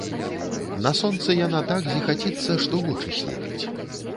На сонцы яна так зіхаціцца, што вочы слепіць.